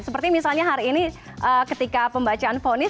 seperti misalnya hari ini ketika pembacaan fonis